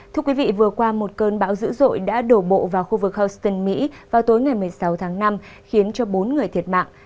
thưa quý vị vừa qua một cơn bão dữ dội đã đổ bộ vào khu vực houston mỹ vào tối ngày một mươi sáu tháng năm khiến bốn người thiệt mạng